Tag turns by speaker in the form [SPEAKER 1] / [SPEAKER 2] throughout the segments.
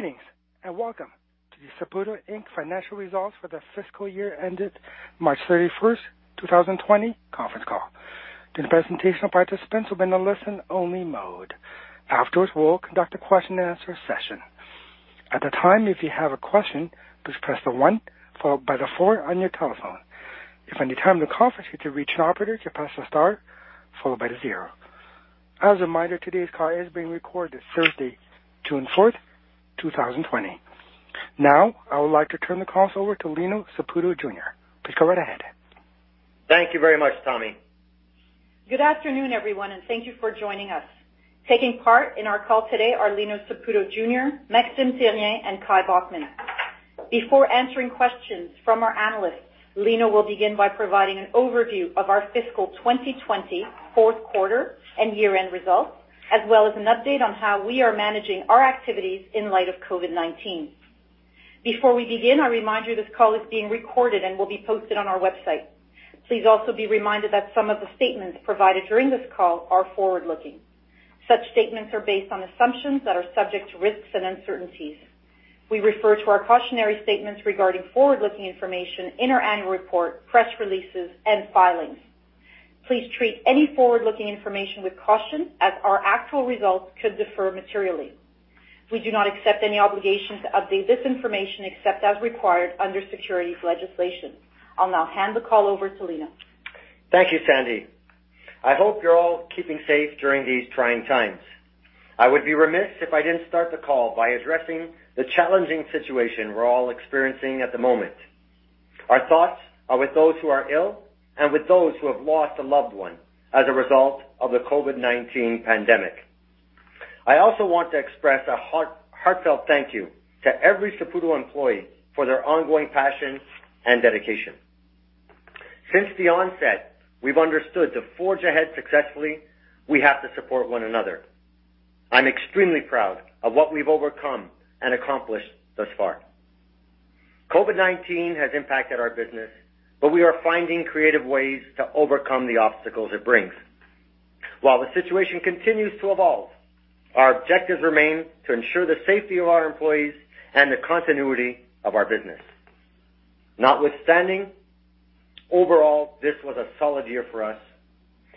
[SPEAKER 1] Greetings. Welcome to the Saputo Inc. financial results for the fiscal year ended March 31, 2020 conference call. During the presentation, all participants will be in a listen-only mode. Afterwards, we will conduct a question-and-answer session. At that time, if you have a question, please press one followed by four on your telephone. If at any time during the conference you need to reach an operator, you press the star followed by zero. As a reminder, today's call is being recorded Thursday, June 4, 2020. I would like to turn the call over to Lino Saputo Jr. Please go right ahead.
[SPEAKER 2] Thank you very much, Tommy.
[SPEAKER 3] Good afternoon, everyone. Thank you for joining us. Taking part in our call today are Lino Saputo Jr., Maxime Therrien, and Kai Bachmann. Before answering questions from our analysts, Lino will begin by providing an overview of our fiscal 2020 fourth quarter and year-end results, as well as an update on how we are managing our activities in light of COVID-19. Before we begin, a reminder. This call is being recorded and will be posted on our website. Please also be reminded that some of the statements provided during this call are forward-looking. Such statements are based on assumptions that are subject to risks and uncertainties. We refer to our cautionary statements regarding forward-looking information in our annual report, press releases, and filings. Please treat any forward-looking information with caution, as our actual results could differ materially. We do not accept any obligation to update this information except as required under securities legislation. I'll now hand the call over to Lino.
[SPEAKER 2] Thank you, Sandy. I hope you're all keeping safe during these trying times. I would be remiss if I didn't start the call by addressing the challenging situation we're all experiencing at the moment. Our thoughts are with those who are ill and with those who have lost a loved one as a result of the COVID-19 pandemic. I also want to express a heartfelt thank you to every Saputo employee for their ongoing passion and dedication. Since the onset, we've understood to forge ahead successfully, we have to support one another. I'm extremely proud of what we've overcome and accomplished thus far. COVID-19 has impacted our business, but we are finding creative ways to overcome the obstacles it brings. While the situation continues to evolve, our objectives remain to ensure the safety of our employees and the continuity of our business. Notwithstanding, overall, this was a solid year for us.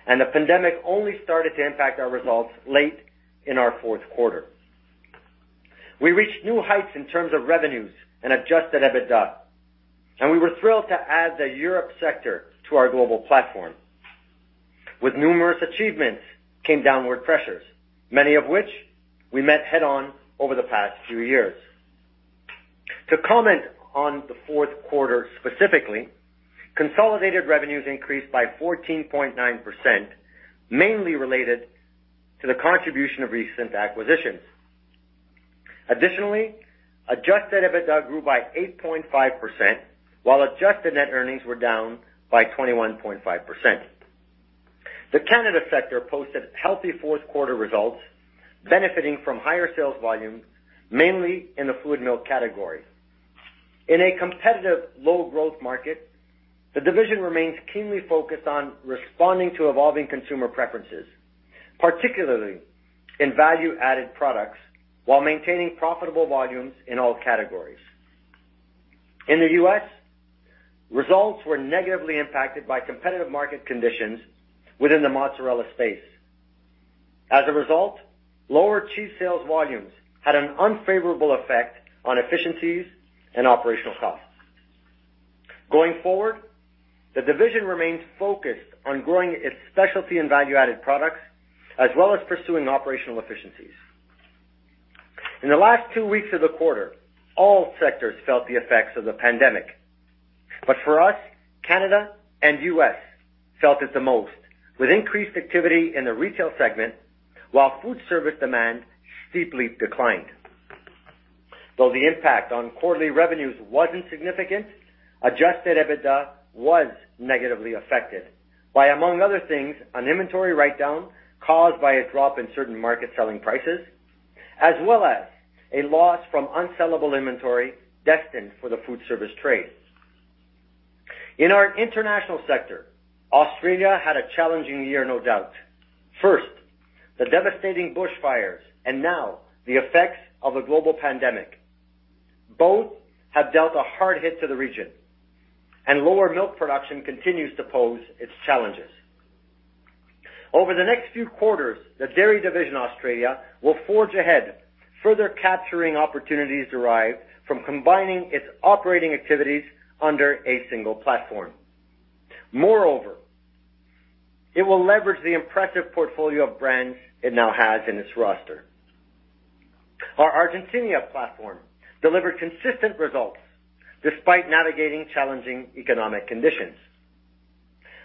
[SPEAKER 2] The pandemic only started to impact our results late in our fourth quarter. We reached new heights in terms of revenues and adjusted EBITDA, and we were thrilled to add the Europe sector to our global platform. With numerous achievements came downward pressures, many of which we met head-on over the past few years. To comment on the fourth quarter specifically, consolidated revenues increased by 14.9%, mainly related to the contribution of recent acquisitions. Additionally, adjusted EBITDA grew by 8.5%, while adjusted net earnings were down by 21.5%. The Canada sector posted healthy fourth-quarter results, benefiting from higher sales volumes, mainly in the fluid milk category. In a competitive low-growth market, the division remains keenly focused on responding to evolving consumer preferences, particularly in value-added products, while maintaining profitable volumes in all categories. In the U.S., results were negatively impacted by competitive market conditions within the mozzarella space. As a result, lower cheese sales volumes had an unfavorable effect on efficiencies and operational costs. Going forward, the division remains focused on growing its specialty and value-added products, as well as pursuing operational efficiencies. In the last two weeks of the quarter, all sectors felt the effects of the pandemic. For us, Canada and U.S. felt it the most, with increased activity in the retail segment while food service demand steeply declined. Though the impact on quarterly revenues wasn't significant, adjusted EBITDA was negatively affected by, among other things, an inventory write-down caused by a drop in certain market selling prices, as well as a loss from unsellable inventory destined for the food service trade. In our international sector, Australia had a challenging year, no doubt. First, the devastating bushfires. Now the effects of a global pandemic. Both have dealt a hard hit to the region. Lower milk production continues to pose its challenges. Over the next few quarters, the Dairy Division Australia will forge ahead, further capturing opportunities derived from combining its operating activities under a single platform. Moreover, it will leverage the impressive portfolio of brands it now has in its roster. Our Argentina platform delivered consistent results despite navigating challenging economic conditions.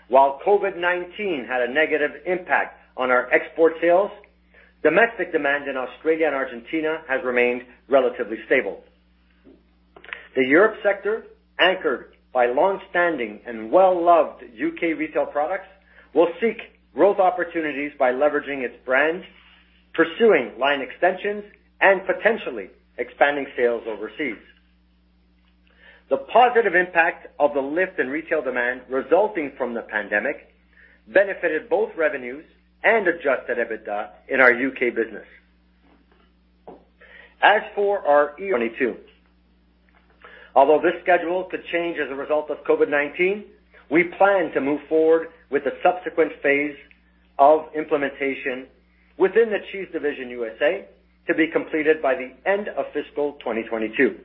[SPEAKER 2] While COVID-19 had a negative impact on our export sales, domestic demand in Australia and Argentina has remained relatively stable. The Europe sector, anchored by long-standing and well-loved U.K. retail products, will seek growth opportunities by leveraging its brands, pursuing line extensions, and potentially expanding sales overseas. The positive impact of the lift in retail demand resulting from the pandemic benefited both revenues and adjusted EBITDA in our U.K. business. As for our 22. Although this schedule could change as a result of COVID-19, we plan to move forward with the subsequent phase of implementation within the Cheese Division USA to be completed by the end of fiscal 2022.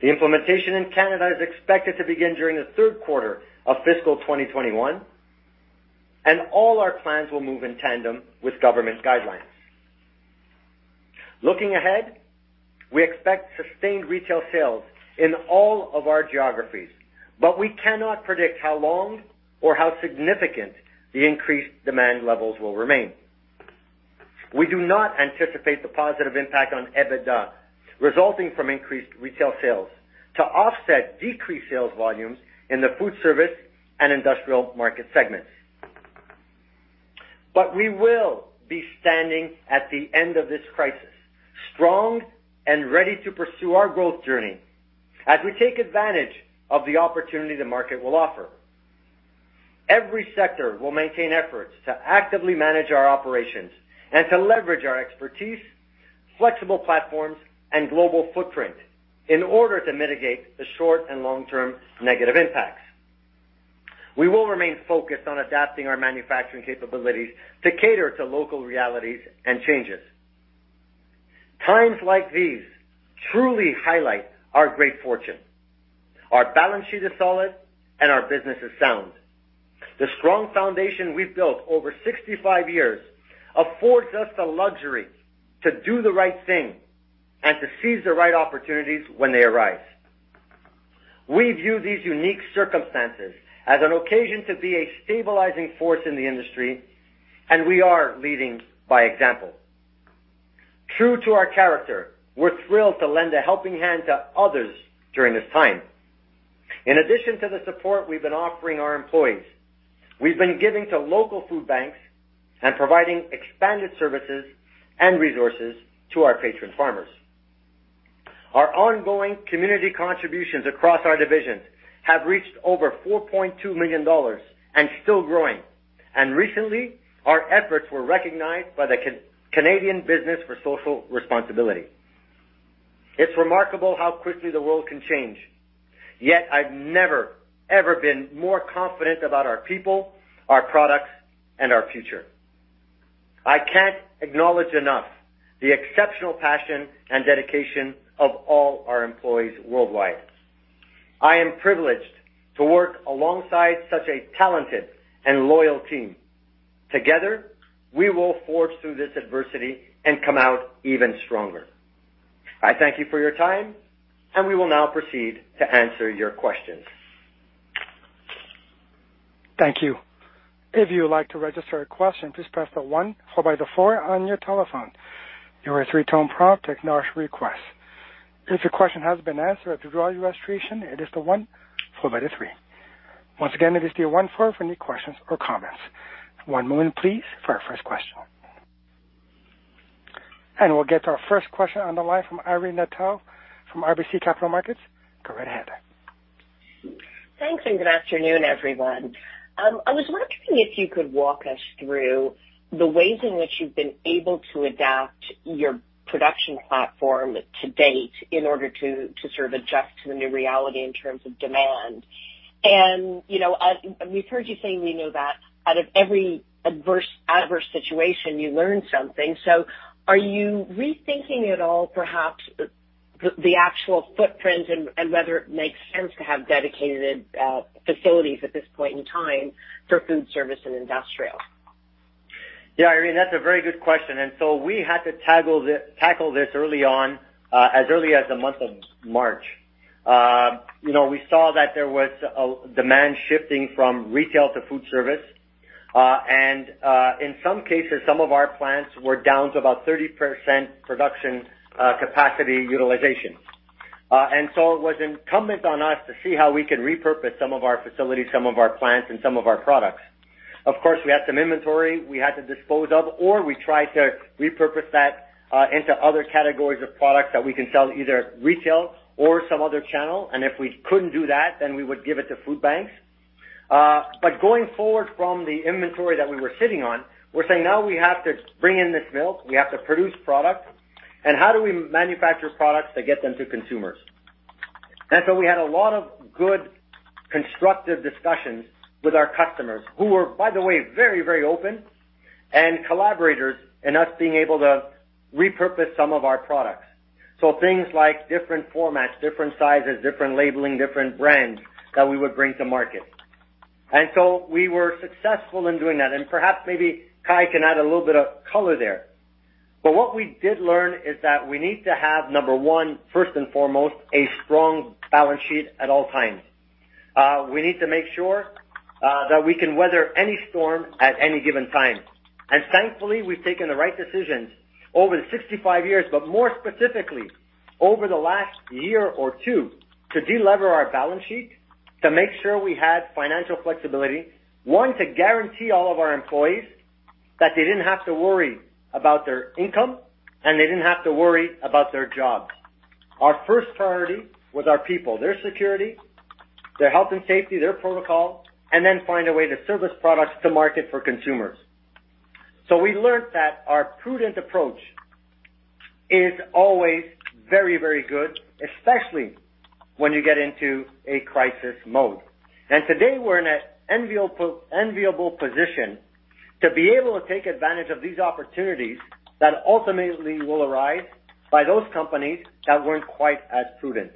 [SPEAKER 2] The implementation in Canada is expected to begin during the third quarter of fiscal 2021, and all our plans will move in tandem with government guidelines. Looking ahead, we expect sustained retail sales in all of our geographies, we cannot predict how long or how significant the increased demand levels will remain. We do not anticipate the positive impact on EBITDA resulting from increased retail sales to offset decreased sales volumes in the food service and industrial market segments. We will be standing at the end of this crisis, strong and ready to pursue our growth journey as we take advantage of the opportunity the market will offer. Every sector will maintain efforts to actively manage our operations and to leverage our expertise, flexible platforms, and global footprint in order to mitigate the short and long-term negative impacts. We will remain focused on adapting our manufacturing capabilities to cater to local realities and changes. Times like these truly highlight our great fortune. Our balance sheet is solid, and our business is sound. The strong foundation we've built over 65 years affords us the luxury to do the right thing and to seize the right opportunities when they arise. We view these unique circumstances as an occasion to be a stabilizing force in the industry, and we are leading by example. True to our character, we're thrilled to lend a helping hand to others during this time. In addition to the support we've been offering our employees, we've been giving to local food banks and providing expanded services and resources to our patron farmers. Our ongoing community contributions across our divisions have reached over 4.2 million dollars and still growing. Recently, our efforts were recognized by the Canadian Business for Social Responsibility. It's remarkable how quickly the world can change. Yet I've never, ever been more confident about our people, our products, and our future. I can't acknowledge enough the exceptional passion and dedication of all our employees worldwide. I am privileged to work alongside such a talented and loyal team. Together, we will forge through this adversity and come out even stronger. I thank you for your time, and we will now proceed to answer your questions.
[SPEAKER 1] Thank you. If you would like to register a question, please press the one followed by the four on your telephone. You will hear a three-tone prompt to acknowledge your request. If your question has been answered or to withdraw your registration, it is the one followed by the three. Once again, it is the one followed by the four for any questions or comments. One moment please for our first question. We'll get to our first question on the line from Irene Nattel from RBC Capital Markets. Go right ahead.
[SPEAKER 4] Thanks. Good afternoon, everyone. I was wondering if you could walk us through the ways in which you've been able to adapt your production platform to date in order to sort of adjust to the new reality in terms of demand. We've heard you say many of that out of every adverse situation, you learn something. Are you rethinking at all perhaps the actual footprint and whether it makes sense to have dedicated facilities at this point in time for food service and industrial?
[SPEAKER 2] Irene, that's a very good question. We had to tackle this early on, as early as the month of March. We saw that there was a demand shifting from retail to food service. In some cases, some of our plants were down to about 30% production capacity utilization. It was incumbent on us to see how we could repurpose some of our facilities, some of our plants, and some of our products. Of course, we had some inventory we had to dispose of, or we tried to repurpose that into other categories of products that we can sell either retail or some other channel. If we couldn't do that, we would give it to food banks. Going forward from the inventory that we were sitting on, we're saying now we have to bring in this milk. We have to produce products. How do we manufacture products to get them to consumers? We had a lot of good, constructive discussions with our customers who were, by the way, very open and collaborators in us being able to repurpose some of our products. Things like different formats, different sizes, different labeling, different brands that we would bring to market. We were successful in doing that. Perhaps, maybe Kai can add a little bit of color there. What we did learn is that we need to have, number one, first and foremost, a strong balance sheet at all times. We need to make sure that we can weather any storm at any given time. Thankfully, we've taken the right decisions over the 65 years, but more specifically over the last year or two to delever our balance sheet, to make sure we had financial flexibility. One, to guarantee all of our employees that they didn't have to worry about their income, and they didn't have to worry about their jobs. Our first priority was our people, their security, their health and safety, their protocol, and then find a way to serve those products to market for consumers. We learnt that our prudent approach is always very, very good, especially when you get into a crisis mode. Today, we're in an enviable position to be able to take advantage of these opportunities that ultimately will arise by those companies that weren't quite as prudent.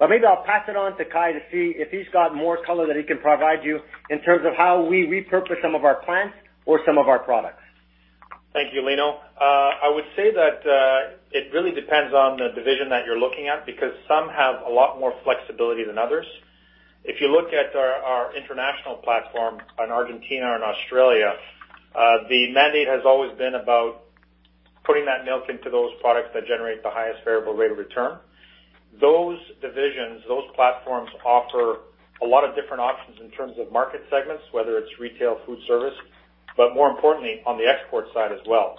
[SPEAKER 2] Maybe I'll pass it on to Kai to see if he's got more color that he can provide you in terms of how we repurpose some of our plants or some of our products.
[SPEAKER 5] Thank you, Lino. I would say that it really depends on the division that you're looking at, because some have a lot more flexibility than others. If you look at our international platform in Argentina and Australia, the mandate has always been about putting that milk into those products that generate the highest variable rate of return. Those divisions, those platforms offer a lot of different options in terms of market segments, whether it's retail food service, but more importantly on the export side as well.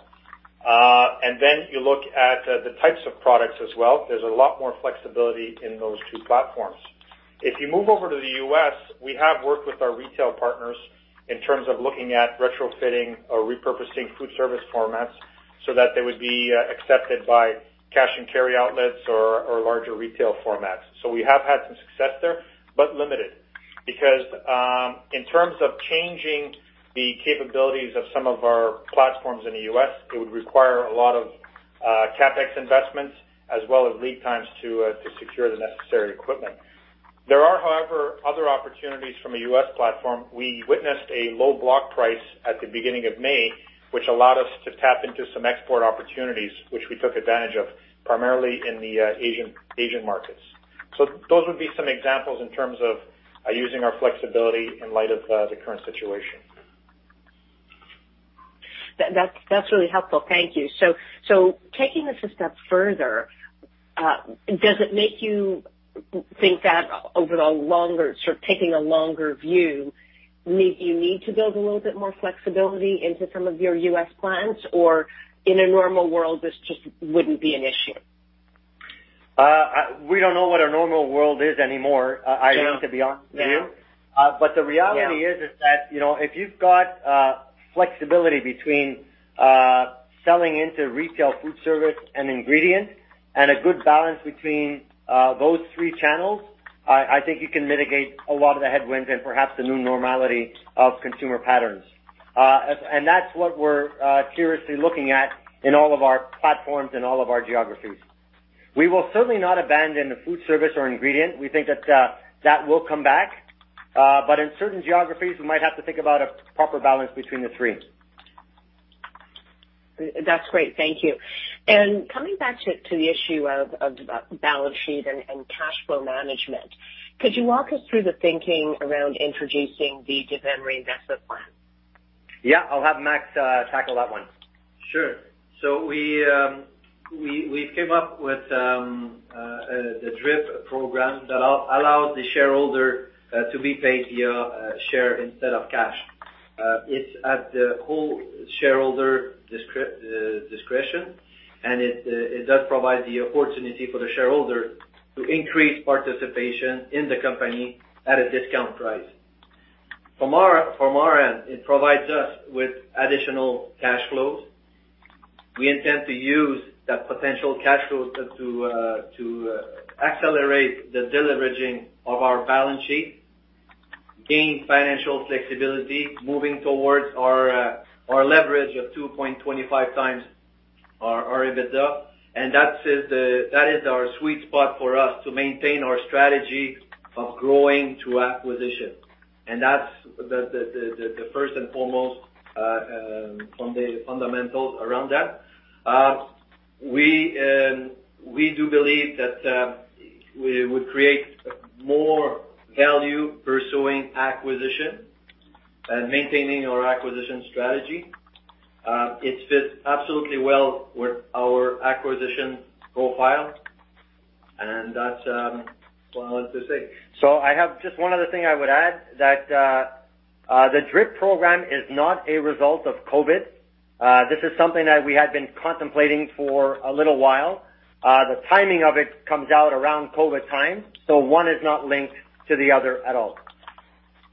[SPEAKER 5] Then you look at the types of products as well. There's a lot more flexibility in those two platforms. If you move over to the U.S., we have worked with our retail partners in terms of looking at retrofitting or repurposing food service formats so that they would be accepted by cash and carry outlets or larger retail formats. We have had some success there, but limited, because, in terms of changing the capabilities of some of our platforms in the U.S., it would require a lot of CapEx investments as well as lead times to secure the necessary equipment. There are, however, other opportunities from a U.S. platform. We witnessed a low block price at the beginning of May, which allowed us to tap into some export opportunities, which we took advantage of primarily in the Asian markets. Those would be some examples in terms of using our flexibility in light of the current situation.
[SPEAKER 4] That's really helpful. Thank you. Taking this a step further, does it make you think that over taking a longer view, you need to build a little bit more flexibility into some of your U.S. plants, or in a normal world, this just wouldn't be an issue?
[SPEAKER 2] We don't know what a normal world is anymore, Irene.
[SPEAKER 4] Yeah
[SPEAKER 2] to be honest with you.
[SPEAKER 4] Yeah.
[SPEAKER 2] The reality is that if you've got flexibility between selling into retail food service and ingredient and a good balance between those three channels, I think you can mitigate a lot of the headwinds and perhaps the new normality of consumer patterns. That's what we're curiously looking at in all of our platforms, in all of our geographies. We will certainly not abandon the food service or ingredient. We think that that will come back. In certain geographies, we might have to think about a proper balance between the three.
[SPEAKER 4] That's great. Thank you. Coming back to the issue of balance sheet and cash flow management, could you walk us through the thinking around introducing the Dividend Reinvestment Plan?
[SPEAKER 2] Yeah, I'll have Max tackle that one.
[SPEAKER 6] Sure. We came up with the DRIP program that allows the shareholder to be paid via share instead of cash. It's at the whole shareholder discretion. It does provide the opportunity for the shareholder to increase participation in the company at a discount price. From our end, it provides us with additional cash flows. We intend to use that potential cash flow to accelerate the deleveraging of our balance sheet, gain financial flexibility, moving towards our leverage of 2.25 times our EBITDA. That is our sweet spot for us to maintain our strategy of growing through acquisition. That's the first and foremost fundamentals around that. We do believe that we would create more value pursuing acquisition and maintaining our acquisition strategy. It fits absolutely well with our acquisition profile. That's all I have to say.
[SPEAKER 2] I have just one other thing I would add, that the DRIP program is not a result of COVID. This is something that we had been contemplating for a little while. The timing of it comes out around COVID time. One is not linked to the other at all.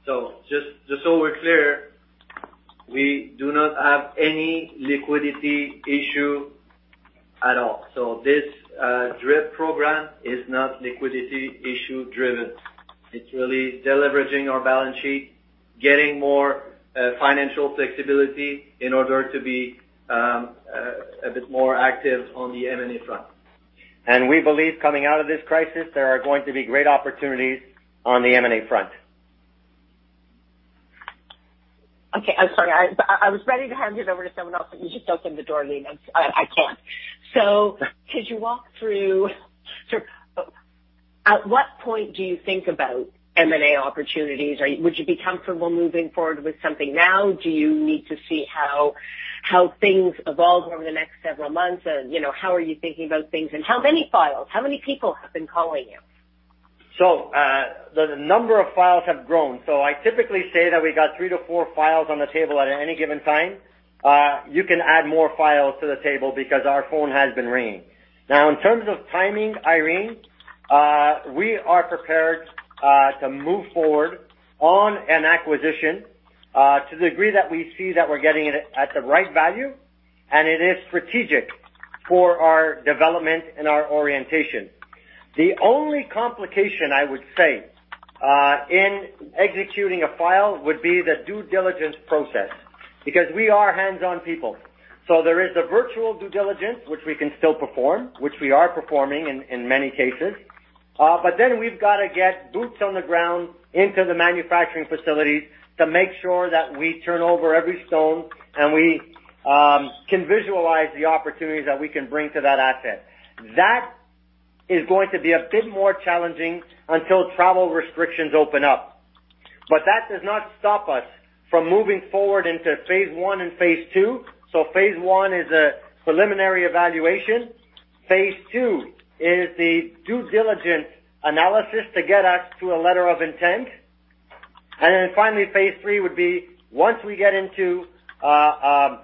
[SPEAKER 6] Just so we're clear, we do not have any liquidity issue at all. This DRIP program is not liquidity issue driven. It's really deleveraging our balance sheet, getting more financial flexibility in order to be a bit more active on the M&A front.
[SPEAKER 2] We believe coming out of this crisis, there are going to be great opportunities on the M&A front.
[SPEAKER 4] Okay. I'm sorry. I was ready to hand it over to someone else, but you just opened the door, Lino. I can't. Could you walk through, at what point do you think about M&A opportunities? Would you be comfortable moving forward with something now? Do you need to see how things evolve over the next several months? How are you thinking about things, and how many files, how many people have been calling you?
[SPEAKER 2] The number of files have grown. I typically say that we got three to four files on the table at any given time. You can add more files to the table because our phone has been ringing. Now, in terms of timing, Irene, we are prepared to move forward on an acquisition to the degree that we see that we're getting it at the right value, and it is strategic for our development and our orientation. The only complication, I would say, in executing a file would be the due diligence process, because we are hands-on people. There is the virtual due diligence, which we can still perform, which we are performing in many cases. We've got to get boots on the ground into the manufacturing facilities to make sure that we turn over every stone and we can visualize the opportunities that we can bring to that asset. That is going to be a bit more challenging until travel restrictions open up. That does not stop us from moving forward into phase 1 and phase 2. Phase 1 is a preliminary evaluation. Phase 2 is the due diligent analysis to get us to a letter of intent. Finally, phase 3 would be once we get into a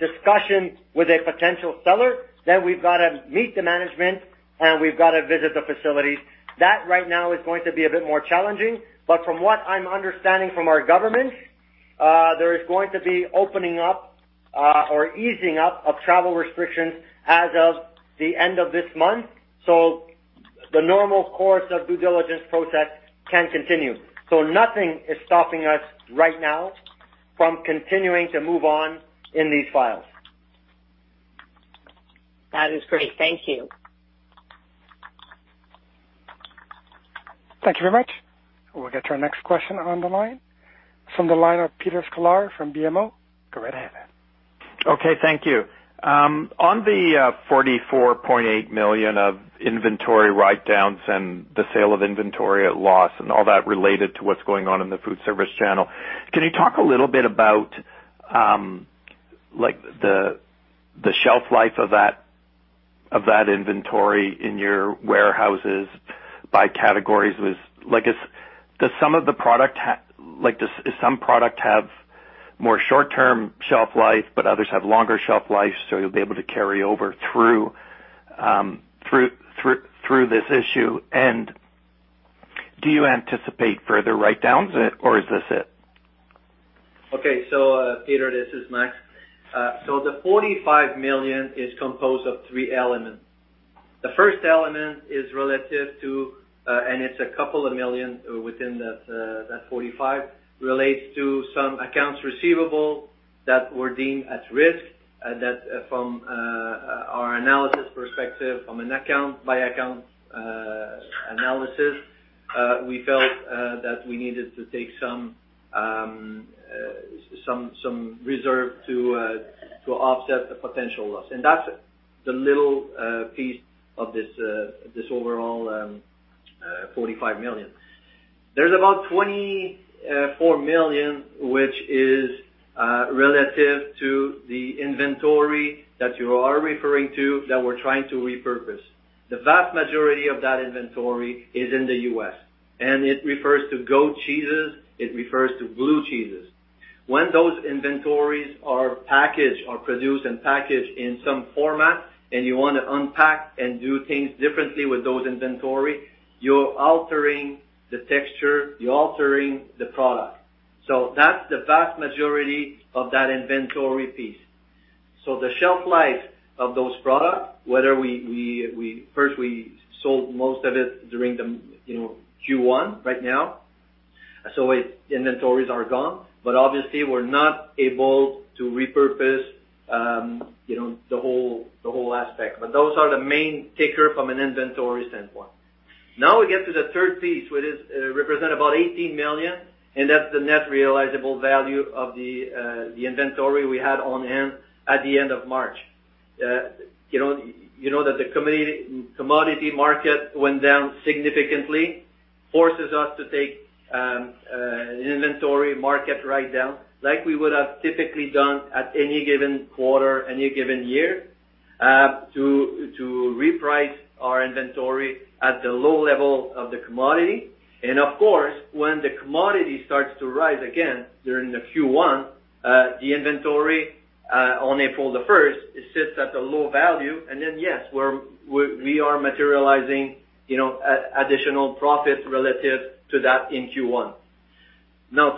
[SPEAKER 2] discussion with a potential seller, then we've got to meet the management, and we've got to visit the facilities. That right now is going to be a bit more challenging, but from what I'm understanding from our government, there is going to be opening up or easing up of travel restrictions as of the end of this month. The normal course of due diligence process can continue. Nothing is stopping us right now from continuing to move on in these files.
[SPEAKER 4] That is great. Thank you.
[SPEAKER 1] Thank you very much. We'll get to our next question on the line. From the line of Peter Sklar from BMO. Go right ahead.
[SPEAKER 7] Thank you. On the 44.8 million of inventory write-downs and the sale of inventory at loss and all that related to what's going on in the food service channel, can you talk a little bit about the shelf life of that inventory in your warehouses by categories? Does some product have more short-term shelf life, but others have longer shelf life, so you'll be able to carry over through this issue? Do you anticipate further write-downs, or is this it?
[SPEAKER 6] Peter, this is Max. The 45 million is composed of three elements. The first element is relative to, it's a couple of million within that 45 million, relates to some accounts receivable that were deemed at risk, that from our analysis perspective, from an account by account analysis, we felt that we needed to take some reserve to offset the potential loss. That's the little piece of this overall 45 million. There's about 24 million, which is relative to the inventory that you are referring to, that we're trying to repurpose. The vast majority of that inventory is in the U.S., it refers to goat cheeses, it refers to blue cheeses. When those inventories are packaged or produced and packaged in some format and you want to unpack and do things differently with those inventory, you're altering the texture, you're altering the product. That's the vast majority of that inventory piece. The shelf life of those products, first, we sold most of it during Q1 right now. Inventories are gone. Obviously, we're not able to repurpose the whole aspect. Those are the main taker from an inventory standpoint. Now we get to the third piece, which represent about 18 million, and that's the net realizable value of the inventory we had on hand at the end of March. You know that the commodity market went down significantly, forces us to take an inventory market write-down, like we would have typically done at any given quarter, any given year, to reprice our inventory at the low level of the commodity. Of course, when the commodity starts to rise again during the Q1, the inventory on April 1st, it sits at a low value, then, yes, we are materializing additional profit relative to that in Q1.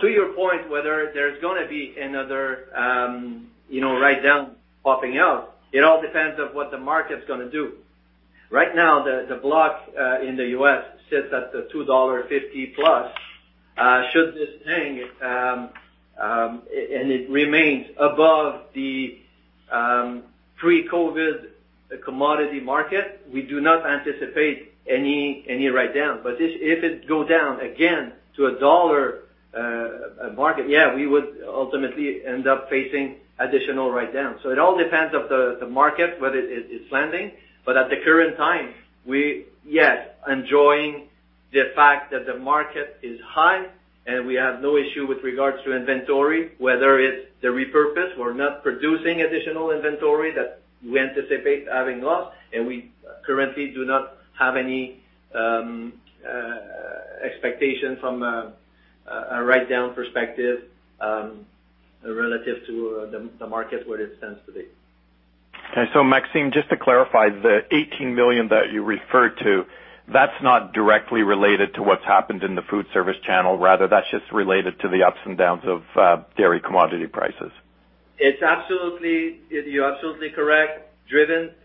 [SPEAKER 6] To your point, whether there's going to be another write-down popping out, it all depends of what the market's going to do. Right now, the block in the U.S. sits at the $2.50 plus. Should this thing, and it remains above the pre-COVID-19 commodity market, we do not anticipate any write-down. If it go down again to a $1 market, yeah, we would ultimately end up facing additional write-down. It all depends of the market, whether it's landing. At the current time, we, yes, enjoying
[SPEAKER 5] The fact that the market is high and we have no issue with regards to inventory, whether it's the repurpose, we're not producing additional inventory that we anticipate having lost, and we currently do not have any expectations from a write-down perspective relative to the market where it stands today.
[SPEAKER 7] Okay. Maxim, just to clarify, the 18 million that you referred to, that's not directly related to what's happened in the food service channel. Rather, that's just related to the ups and downs of dairy commodity prices.
[SPEAKER 6] You're absolutely correct. Driven commodity.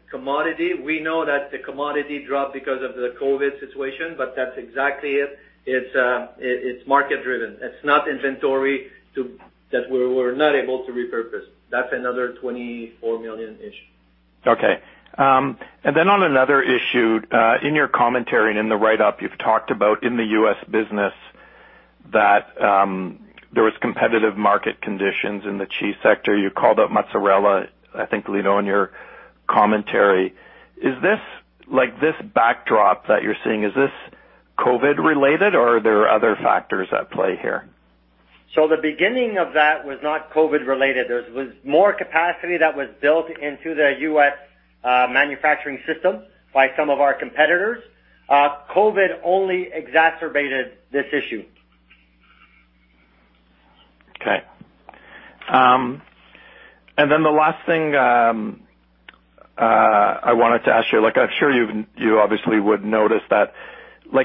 [SPEAKER 6] We know that the commodity dropped because of the COVID situation, that's exactly it. It's market-driven. It's not inventory that we were not able to repurpose. That's another 24 million-ish.
[SPEAKER 7] On another issue, in your commentary and in the write-up you've talked about in the U.S. business that there was competitive market conditions in the cheese sector. You called out mozzarella, I think, Lino, in your commentary. This backdrop that you're seeing, is this COVID related or are there other factors at play here?
[SPEAKER 5] The beginning of that was not COVID related. There was more capacity that was built into the U.S. manufacturing system by some of our competitors. COVID only exacerbated this issue.
[SPEAKER 7] The last thing I wanted to ask you, I'm sure you obviously would notice that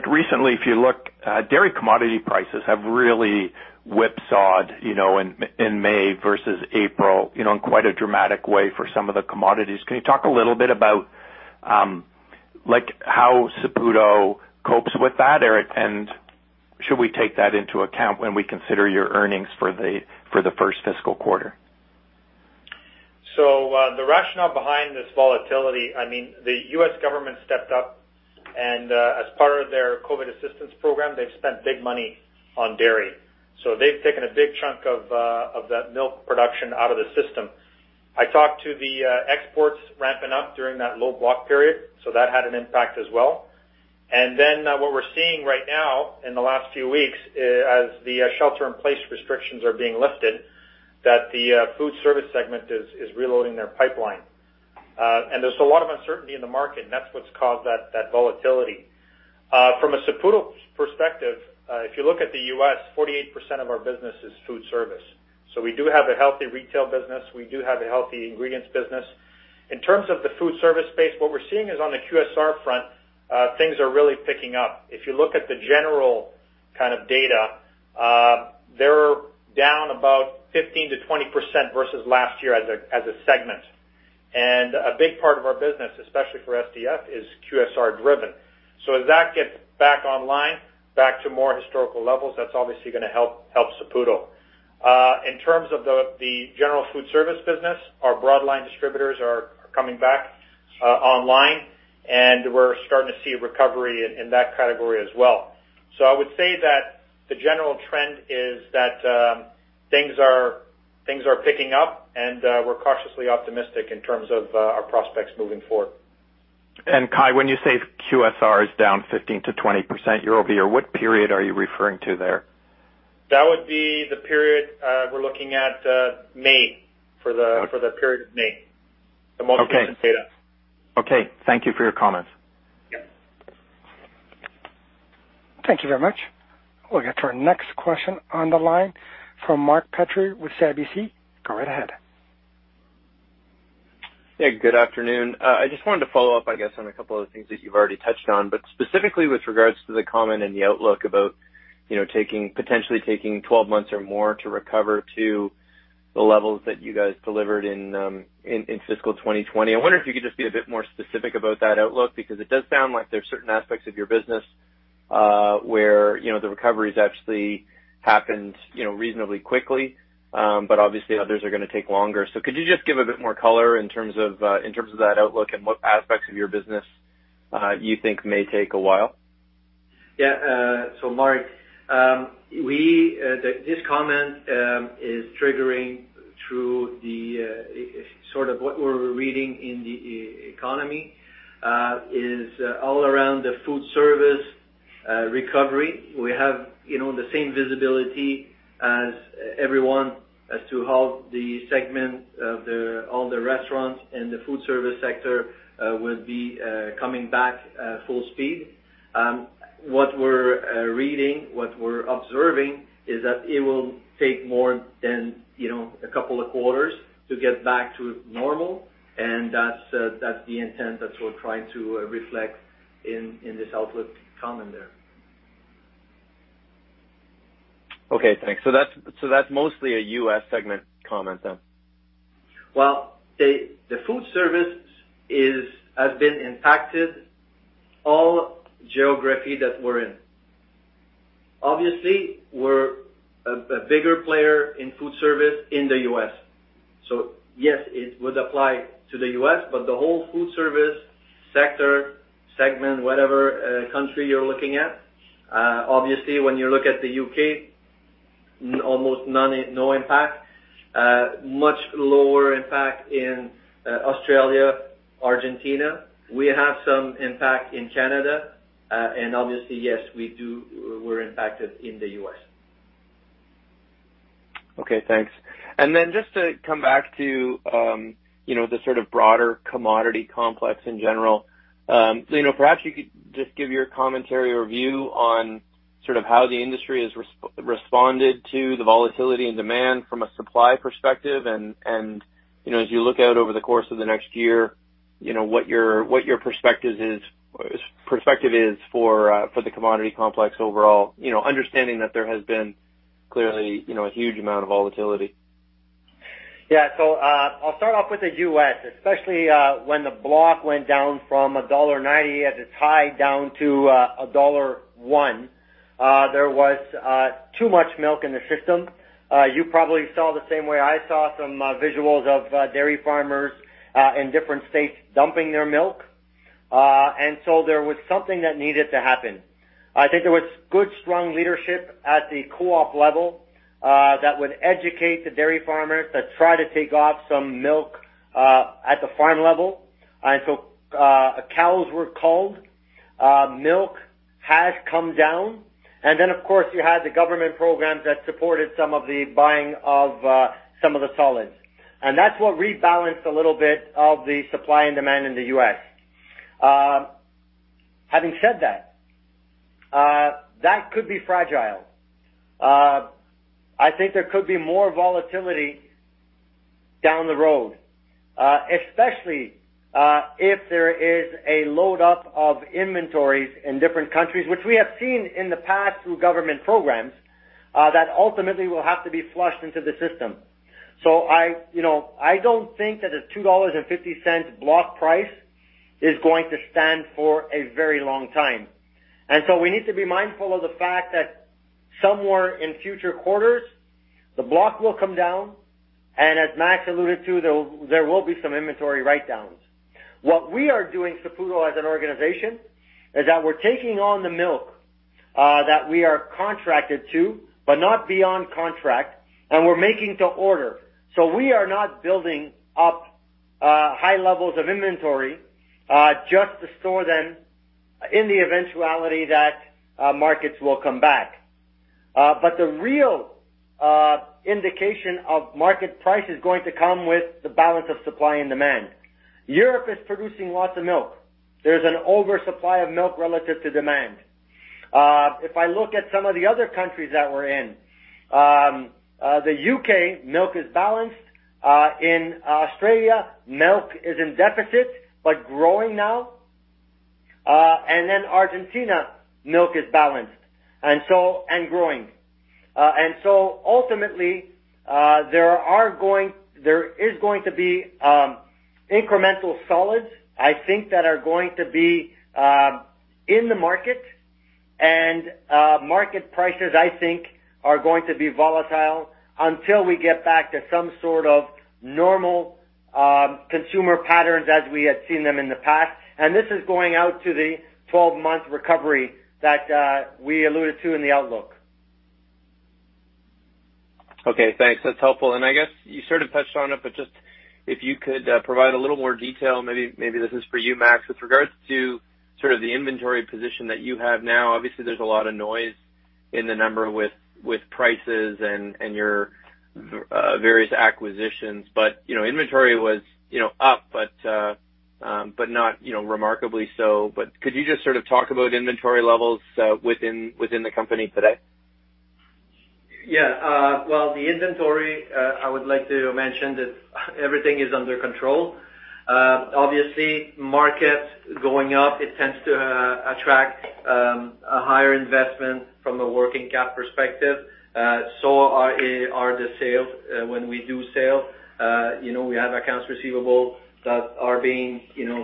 [SPEAKER 7] recently if you look, dairy commodity prices have really whipsawed in May versus April in quite a dramatic way for some of the commodities. Can you talk a little bit about how Saputo copes with that? Should we take that into account when we consider your earnings for the first fiscal quarter?
[SPEAKER 5] The rationale behind this volatility, the U.S. government stepped up and as part of their COVID-19 assistance program, they've spent big money on dairy. They've taken a big chunk of that milk production out of the system. I talked to the exports ramping up during that load block period, that had an impact as well. What we're seeing right now in the last few weeks, as the shelter-in-place restrictions are being lifted, the food service segment is reloading their pipeline. There's a lot of uncertainty in the market, and that's what's caused that volatility. From a Saputo perspective, if you look at the U.S., 48% of our business is food service. We do have a healthy retail business, we do have a healthy ingredients business. In terms of the food service space, what we're seeing is on the QSR front, things are really picking up. If you look at the general kind of data, they're down about 15%-20% versus last year as a segment. A big part of our business, especially for SDF, is QSR driven. As that gets back online, back to more historical levels, that's obviously going to help Saputo. In terms of the general food service business, our broadline distributors are coming back online, we're starting to see a recovery in that category as well. I would say that the general trend is that things are picking up, and we're cautiously optimistic in terms of our prospects moving forward.
[SPEAKER 7] Kai, when you say QSR is down 15%-20% year-over-year, what period are you referring to there?
[SPEAKER 5] That would be the period, we're looking at May, for the period of May.
[SPEAKER 7] Okay.
[SPEAKER 5] The most recent data.
[SPEAKER 7] Okay. Thank you for your comments.
[SPEAKER 5] Yep.
[SPEAKER 1] Thank you very much. We'll get to our next question on the line from Mark Petrie with CIBC. Go right ahead.
[SPEAKER 8] Hey, good afternoon. I just wanted to follow up, I guess, on a couple of the things that you've already touched on, but specifically with regards to the comment and the outlook about potentially taking 12 months or more to recover to the levels that you guys delivered in fiscal 2020. I wonder if you could just be a bit more specific about that outlook, because it does sound like there's certain aspects of your business where the recovery has actually happened reasonably quickly. Obviously others are going to take longer. Could you just give a bit more color in terms of that outlook and what aspects of your business you think may take a while?
[SPEAKER 5] Yeah. Mark, this comment is triggering through sort of what we're reading in the economy, is all around the food service recovery. We have the same visibility as everyone as to how the segment of all the restaurants and the food service sector will be coming back at full speed. What we're reading, what we're observing is that it will take more than a couple of quarters to get back to normal, and that's the intent that we're trying to reflect in this outlook comment there.
[SPEAKER 8] Okay, thanks. That's mostly a U.S. segment comment then?
[SPEAKER 5] Well, the food service has been impacted all geography that we're in. Obviously, we're a bigger player in food service in the U.S. Yes, it would apply to the U.S., but the whole food service sector, segment, whatever country you're looking at. Obviously when you look at the U.K., almost no impact. Much lower impact in Australia Argentina. We have some impact in Canada. Obviously, yes, we're impacted in the U.S.
[SPEAKER 8] Okay, thanks. Just to come back to the sort of broader commodity complex in general, perhaps you could just give your commentary or view on how the industry has responded to the volatility in demand from a supply perspective and, as you look out over the course of the next year, what your perspective is for the commodity complex overall, understanding that there has been clearly, a huge amount of volatility.
[SPEAKER 2] Yeah. I'll start off with the U.S., especially when the block went down from $1.90 at its high down to $1.01. There was too much milk in the system. You probably saw the same way I saw some visuals of dairy farmers in different states dumping their milk. There was something that needed to happen. I think there was good, strong leadership at the co-op level that would educate the dairy farmers to try to take off some milk at the farm level. Cows were culled, milk has come down, and then, of course, you had the government programs that supported some of the buying of some of the solids. That's what rebalanced a little bit of the supply and demand in the U.S. Having said that could be fragile. I think there could be more volatility down the road, especially, if there is a load up of inventories in different countries, which we have seen in the past through government programs, that ultimately will have to be flushed into the system. I don't think that a $2.50 block price is going to stand for a very long time. We need to be mindful of the fact that somewhere in future quarters, the block will come down, and as Max alluded to, there will be some inventory write-downs. What we are doing, Saputo, as an organization, is that we're taking on the milk that we are contracted to, but not beyond contract, and we're making to order. We are not building up high levels of inventory, just to store them in the eventuality that markets will come back. The real indication of market price is going to come with the balance of supply and demand. Europe is producing lots of milk. There's an oversupply of milk relative to demand. If I look at some of the other countries that we're in, the U.K., milk is balanced. In Australia, milk is in deficit, but growing now. Argentina, milk is balanced and growing. Ultimately, there is going to be incremental solids, I think, that are going to be in the market. Market prices, I think, are going to be volatile until we get back to some sort of normal consumer patterns as we had seen them in the past. This is going out to the 12-month recovery that we alluded to in the outlook.
[SPEAKER 8] Okay, thanks. That's helpful. I guess you sort of touched on it, but just if you could provide a little more detail, maybe this is for you, Max, with regards to sort of the inventory position that you have now. Obviously, there's a lot of noise in the number with prices and your various acquisitions, but inventory was up but not remarkably so. Could you just sort of talk about inventory levels within the company today?
[SPEAKER 6] Yeah. Well, the inventory, I would like to mention that everything is under control. Obviously, market going up, it tends to attract a higher investment from a working cap perspective. So are the sales. When we do sell, we have accounts receivable that are being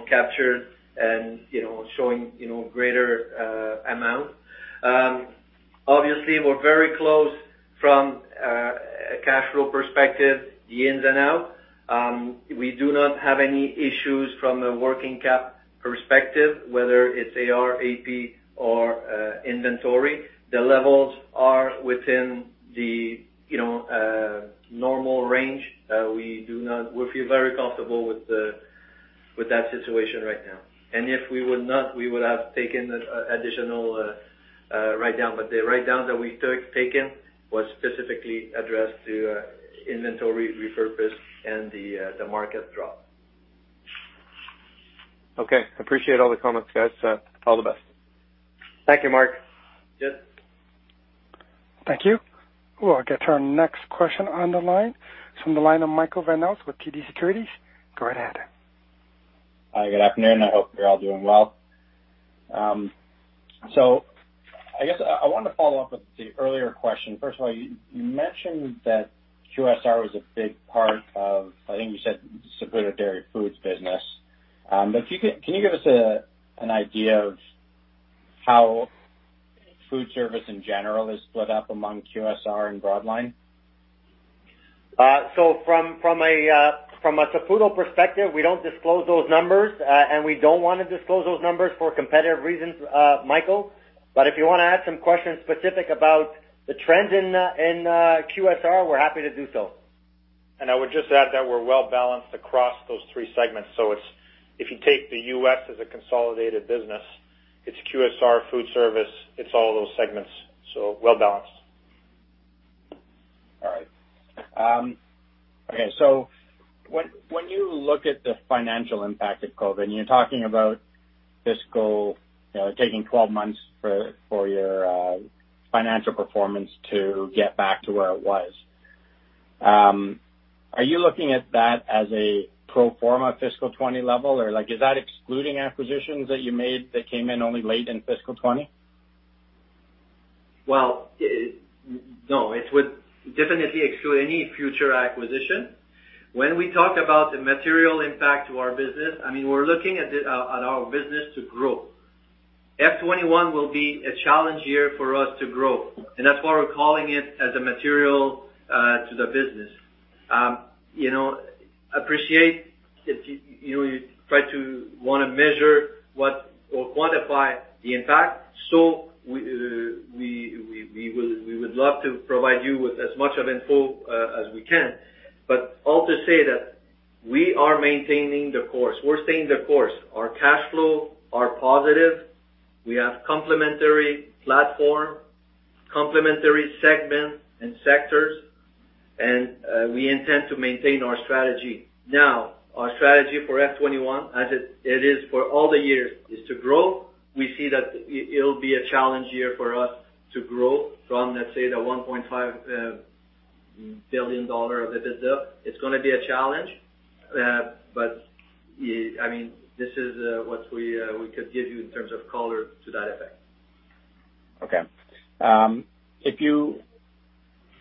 [SPEAKER 6] captured and showing greater amount. Obviously, we're very close from a cash flow perspective, the ins and out. We do not have any issues from a working cap perspective, whether it's AR, AP, or inventory. The levels are within the normal range. We feel very comfortable with that situation right now. If we would not, we would have taken additional write-down, but the write-down that we taken was specifically addressed to inventory repurpose and the market drop.
[SPEAKER 8] Okay. Appreciate all the comments, guys. All the best.
[SPEAKER 2] Thank you, Mark.
[SPEAKER 6] Yes.
[SPEAKER 1] Thank you. We'll get to our next question on the line. It's from the line of Michael Van Aelst with TD Securities. Go right ahead.
[SPEAKER 9] Hi, good afternoon. I hope you're all doing well. I guess I wanted to follow up with the earlier question. First of all, you mentioned that QSR was a big part of, I think you said Saputo Dairy Foods business. Can you give us an idea of how food service in general is split up among QSR and Broadline?
[SPEAKER 2] From a Saputo perspective, we don't disclose those numbers, and we don't want to disclose those numbers for competitive reasons, Michael, if you want to ask some questions specific about the trends in QSR, we're happy to do so.
[SPEAKER 5] I would just add that we're well-balanced across those three segments. If you take the U.S. as a consolidated business, it's QSR food service, it's all those segments. Well-balanced.
[SPEAKER 9] Okay. When you look at the financial impact of COVID, and you're talking about fiscal, taking 12 months for your financial performance to get back to where it was. Are you looking at that as a pro forma fiscal 2020 level? Or is that excluding acquisitions that you made that came in only late in fiscal 2020?
[SPEAKER 2] No, it would definitely exclude any future acquisition. When we talk about the material impact to our business, we're looking at our business to grow. FY 2021 will be a challenge year for us to grow, and that's why we're calling it as a material to the business. Appreciate it, you try to want to measure or quantify the impact. We would love to provide you with as much of info as we can. All to say that we are maintaining the course. We're staying the course. Our cash flow are positive. We have complementary platform, complementary segment and sectors, and we intend to maintain our strategy. Our strategy for FY 2021 as it is for all the years, is to grow. We see that it'll be a challenge year for us to grow from, let's say, the 1.5 billion dollar of EBITDA. It's going to be a challenge. This is what we could give you in terms of color to that effect.
[SPEAKER 9] Okay. If you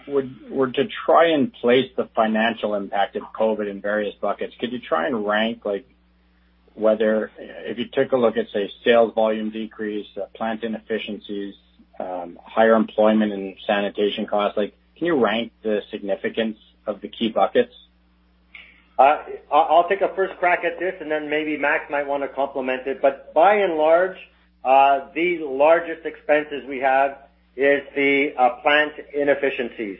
[SPEAKER 9] were to try and place the financial impact of COVID in various buckets, could you try and rank, like whether, if you took a look at, say, sales volume decrease, plant inefficiencies, higher employment and sanitation costs, can you rank the significance of the key buckets?
[SPEAKER 2] I'll take a first crack at this, then maybe Max might want to complement it. By and large, the largest expenses we have is the plant inefficiencies.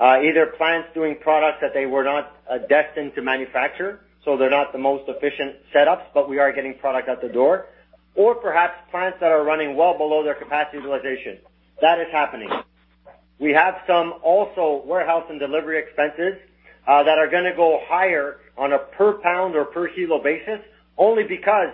[SPEAKER 2] Either plants doing products that they were not destined to manufacture, so they're not the most efficient setups, but we are getting product out the door. Perhaps plants that are running well below their capacity utilization. That is happening. We have some also warehouse and delivery expenses, that are going to go higher on a per pound or per kilo basis, only because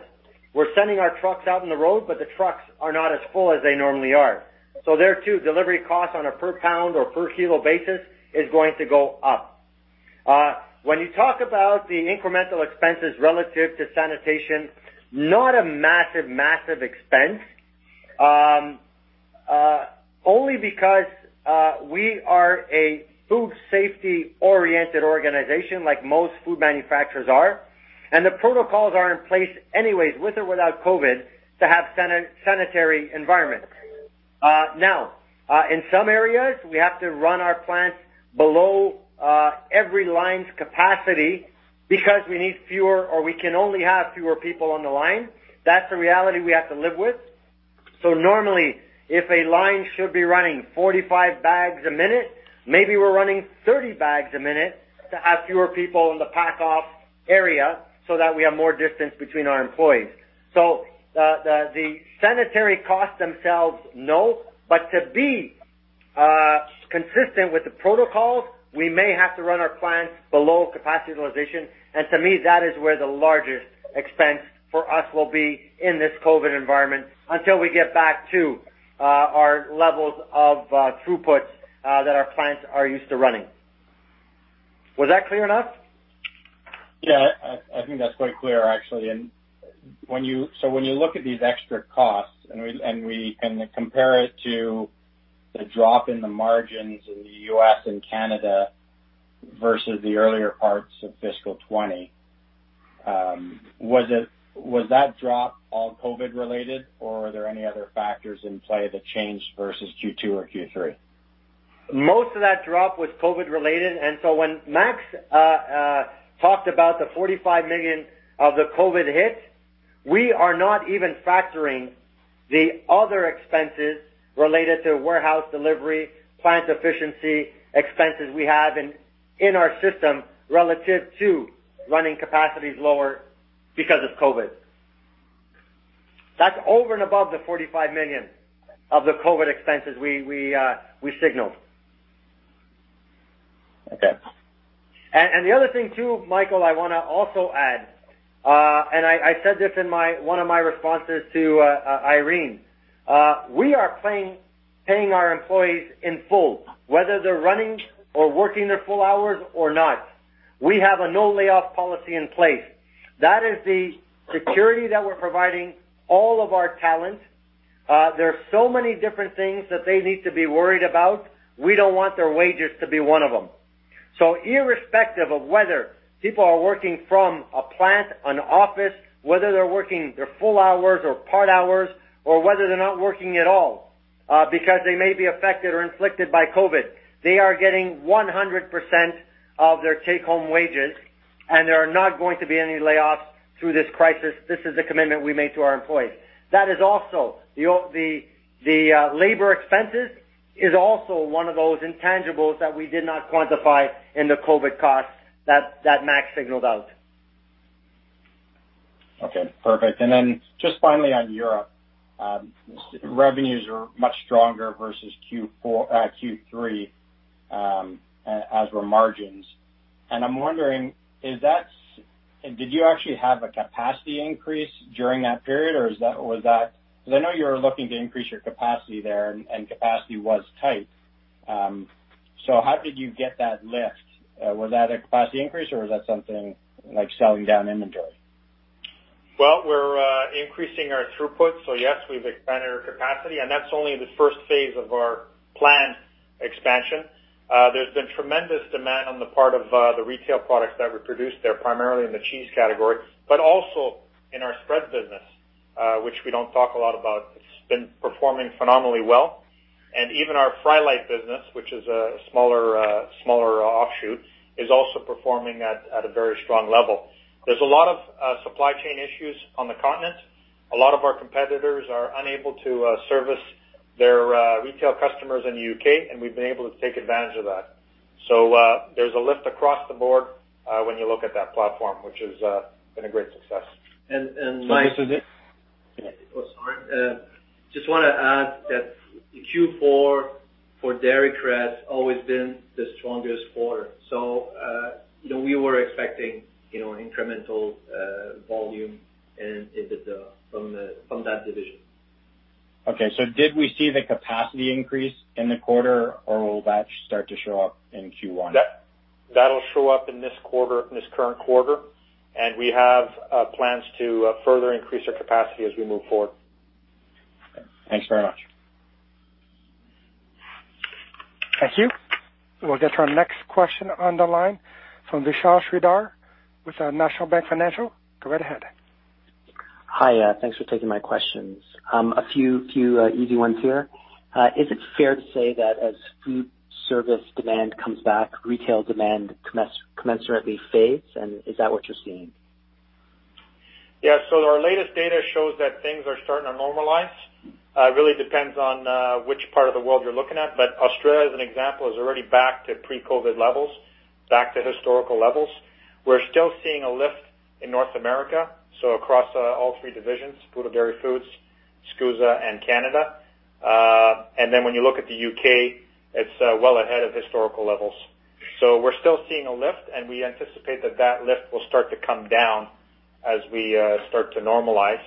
[SPEAKER 2] we're sending our trucks out on the road, but the trucks are not as full as they normally are. There, too, delivery costs on a per pound or per kilo basis is going to go up. When you talk about the incremental expenses relative to sanitation, not a massive expense. Only because we are a food safety-oriented organization, like most food manufacturers are, the protocols are in place anyways, with or without COVID, to have sanitary environment. In some areas, we have to run our plants below every line's capacity because we need fewer or we can only have fewer people on the line. That's the reality we have to live with. Normally, if a line should be running 45 bags a minute, maybe we're running 30 bags a minute to have fewer people in the pack-off area so that we have more distance between our employees. The sanitary costs themselves, no. To be consistent with the protocols, we may have to run our plants below capacity utilization. To me, that is where the largest expense for us will be in this COVID environment until we get back to our levels of throughput that our plants are used to running. Was that clear enough?
[SPEAKER 9] Yeah, I think that's quite clear, actually. When you look at these extra costs and we can compare it to the drop in the margins in the U.S. and Canada versus the earlier parts of fiscal 2020, was that drop all COVID related or are there any other factors in play that changed versus Q2 or Q3?
[SPEAKER 2] Most of that drop was COVID related. When Max talked about the 45 million of the COVID hit, we are not even factoring the other expenses related to warehouse delivery, plant efficiency, expenses we have in our system relative to running capacities lower because of COVID. That's over and above the 45 million of the COVID expenses we signaled.
[SPEAKER 9] Okay.
[SPEAKER 2] The other thing too, Michael, I want to also add, I said this in one of my responses to Irene. We are paying our employees in full, whether they're running or working their full hours or not. We have a no layoff policy in place. That is the security that we're providing all of our talent. There are so many different things that they need to be worried about. We don't want their wages to be one of them. Irrespective of whether people are working from a plant, an office, whether they're working their full hours or part hours or whether they're not working at all, because they may be affected or inflicted by COVID, they are getting 100% of their take-home wages. There are not going to be any layoffs through this crisis. This is a commitment we made to our employees. The labor expenses is also one of those intangibles that we did not quantify in the COVID costs that Mac signaled out.
[SPEAKER 9] Okay, perfect. Just finally on Europe, revenues are much stronger versus Q3 as were margins. I'm wondering, did you actually have a capacity increase during that period? Because I know you're looking to increase your capacity there and capacity was tight. How did you get that lift? Was that a capacity increase or was that something like selling down inventory?
[SPEAKER 5] Well, we're increasing our throughput. Yes, we've expanded our capacity, and that's only the first phase of our planned expansion. There's been tremendous demand on the part of the retail products that we produce there, primarily in the cheese category, also in our spread business, which we don't talk a lot about. It's been performing phenomenally well. Even our Frylight business, which is a smaller offshoot, is also performing at a very strong level. There's a lot of supply chain issues on the continent. A lot of our competitors are unable to service their retail customers in the U.K., and we've been able to take advantage of that. There's a lift across the board when you look at that platform, which has been a great success.
[SPEAKER 2] Mike-
[SPEAKER 9] This is it.
[SPEAKER 2] Go ahead, sorry. I just want to add that Q4 for Dairy Crest always been the strongest quarter. We were expecting incremental volume from that division.
[SPEAKER 9] Did we see the capacity increase in the quarter or will that start to show up in Q1?
[SPEAKER 5] That'll show up in this current quarter, and we have plans to further increase our capacity as we move forward.
[SPEAKER 9] Okay. Thanks very much.
[SPEAKER 1] Thank you. We'll get our next question on the line from Vishal Shreedhar with National Bank Financial. Go right ahead.
[SPEAKER 10] Hi, thanks for taking my questions. A few easy ones here. Is it fair to say that as food service demand comes back, retail demand commensurately fades and is that what you are seeing?
[SPEAKER 5] Yeah. Our latest data shows that things are starting to normalize. Really depends on which part of the world you're looking at, Australia as an example, is already back to pre-COVID levels, back to historical levels. We're still seeing a lift in North America, across all three divisions, Saputo Dairy Foods, SCUSA, and Canada. When you look at the U.K., it's well ahead of historical levels. We're still seeing a lift and we anticipate that that lift will start to come down as we start to normalize,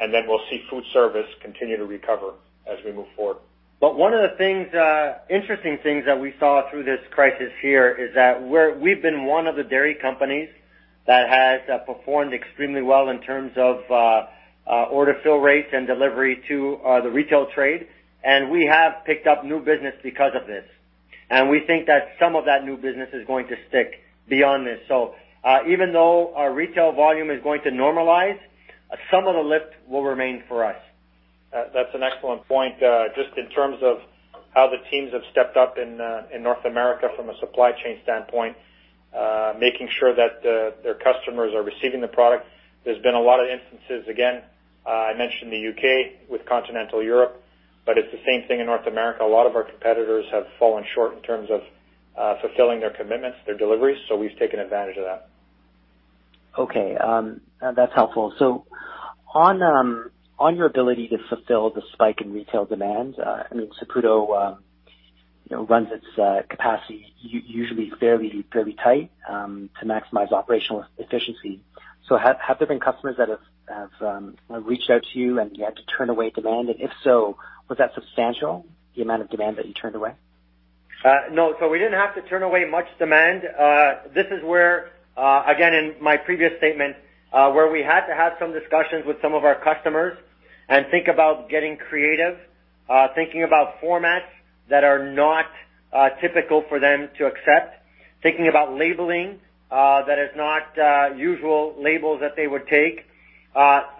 [SPEAKER 5] we'll see food service continue to recover as we move forward.
[SPEAKER 2] One of the interesting things that we saw through this crisis here is that we've been one of the dairy companies that has performed extremely well in terms of order fill rates and delivery to the retail trade, and we have picked up new business because of this. We think that some of that new business is going to stick beyond this. Even though our retail volume is going to normalize, some of the lift will remain for us.
[SPEAKER 5] That's an excellent point. Just in terms of how the teams have stepped up in North America from a supply chain standpoint, making sure that their customers are receiving the product. There's been a lot of instances, again, I mentioned the U.K. with continental Europe, it's the same thing in North America. A lot of our competitors have fallen short in terms of fulfilling their commitments, their deliveries, we've taken advantage of that.
[SPEAKER 10] That's helpful. On your ability to fulfill the spike in retail demand, Saputo runs its capacity usually fairly tight to maximize operational efficiency. Have there been customers that have reached out to you and you had to turn away demand? And if so, was that substantial, the amount of demand that you turned away?
[SPEAKER 2] No. We didn't have to turn away much demand. This is where, again, in my previous statement, where we had to have some discussions with some of our customers and think about getting creative, thinking about formats that are not typical for them to accept, thinking about labeling that is not usual labels that they would take,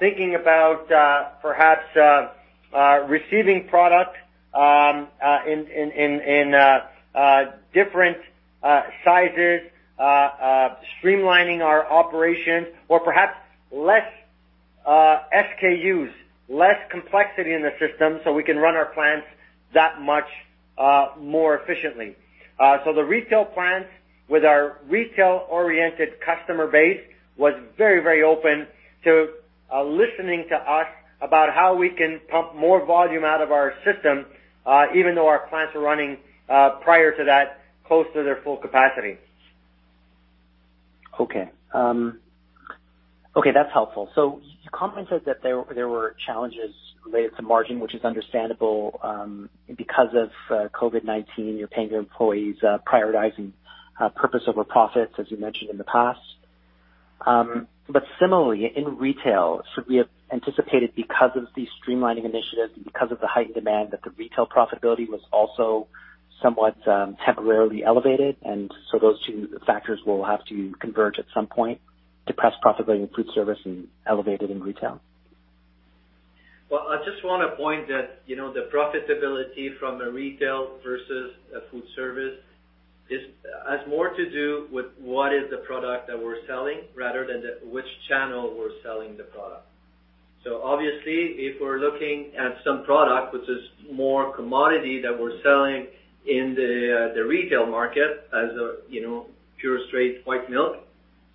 [SPEAKER 2] thinking about perhaps receiving product in different sizes, streamlining our operations or perhaps less SKUs, less complexity in the system so we can run our plants that much more efficiently. The retail plants with our retail-oriented customer base was very open to listening to us about how we can pump more volume out of our system, even though our plants were running prior to that close to their full capacity.
[SPEAKER 10] That's helpful. Your comment says that there were challenges related to margin, which is understandable because of COVID-19, you're paying your employees, prioritizing purpose over profits, as you mentioned in the past. Similarly in retail, should we have anticipated because of these streamlining initiatives and because of the heightened demand that the retail profitability was also somewhat temporarily elevated and those two factors will have to converge at some point, depressed profitability in food service and elevated in retail?
[SPEAKER 6] Well, I just want to point that the profitability from a retail versus a food service has more to do with what is the product that we're selling rather than which channel we're selling the product. Obviously, if we're looking at some product which is more commodity that we're selling in the retail market as a pure straight white milk,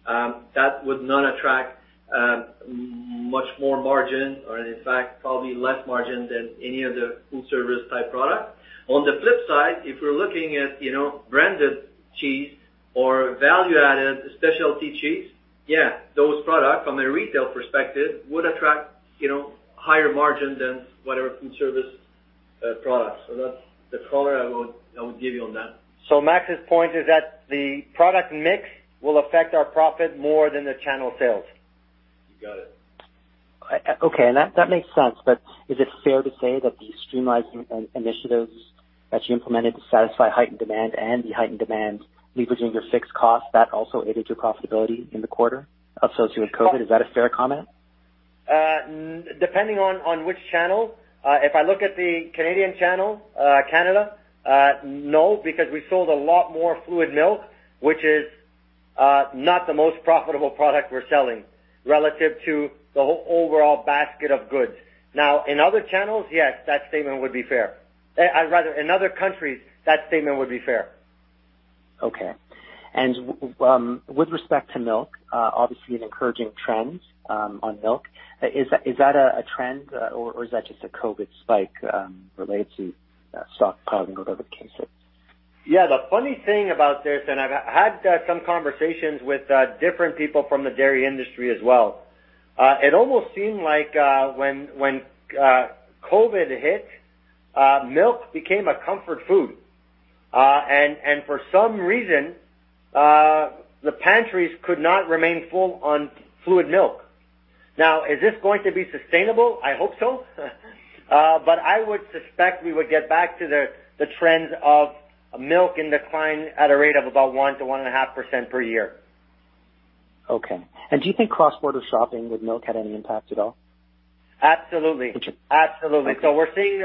[SPEAKER 6] that would not attract much more margin or in fact, probably less margin than any other food service type product. On the flip side, if we're looking at branded cheese or value-added specialty cheese, yeah, those product from a retail perspective would attract higher margin than whatever food service products. That's the color I would give you on that.
[SPEAKER 2] Max's point is that the product mix will affect our profit more than the channel sales.
[SPEAKER 5] You got it.
[SPEAKER 10] Okay, that makes sense, is it fair to say that the streamlining initiatives that you implemented to satisfy heightened demand and the heightened demand leveraging your fixed cost, that also aided your profitability in the quarter associated with COVID? Is that a fair comment?
[SPEAKER 2] Depending on which channel. If I look at the Canadian channel, Canada, no, because we sold a lot more fluid milk, which is not the most profitable product we're selling relative to the overall basket of goods. Now, in other channels, yes, that statement would be fair. Rather, in other countries, that statement would be fair.
[SPEAKER 10] Okay. With respect to milk, obviously an encouraging trend on milk. Is that a trend or is that just a COVID spike related to stock causing all the other cases?
[SPEAKER 2] Yeah, the funny thing about this, I've had some conversations with different people from the dairy industry as well. It almost seemed like when COVID hit, milk became a comfort food. For some reason, the pantries could not remain full on fluid milk. Now, is this going to be sustainable? I hope so. I would suspect we would get back to the trend of milk in decline at a rate of about 1% to 1.5% per year.
[SPEAKER 10] Okay. Do you think cross-border shopping with milk had any impact at all?
[SPEAKER 2] Absolutely.
[SPEAKER 10] Okay.
[SPEAKER 2] Absolutely. We're seeing